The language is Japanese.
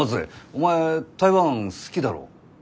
お前台湾好きだろ？